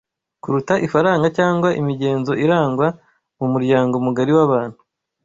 kuruta ifaranga cyangwa imigenzo irangwa mu muryango mugari w’abantu